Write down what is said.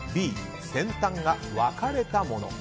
Ｂ、先端が分かれたもの。